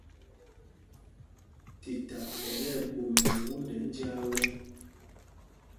Tita ɛ tí ɛɓomɛl wundɛ njāā wɛ́.